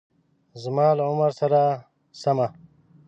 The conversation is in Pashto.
زما له عمر سره سمه